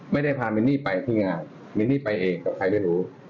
ไม่ได้พามินนี่ไปที่งานมินนี่ไปเองกับใครไม่รู้